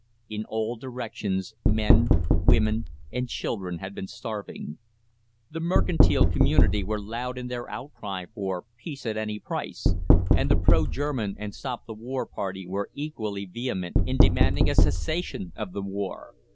In all directions men, women, and children had been starving. The mercantile community were loud in their outcry for "peace at any price," and the pro German and Stop the War Party were equally vehement in demanding a cessation of the war.